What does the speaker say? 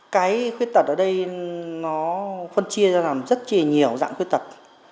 cái khuyết tật ở đây nó phân chia ra làm rất nhiều dạng khuyết tật